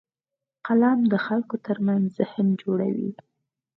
قلم د خلکو ترمنځ ذهن جوړوي